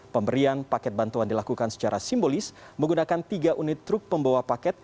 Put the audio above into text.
pemberian paket bantuan dilakukan secara simbolis menggunakan tiga unit truk pembawa paket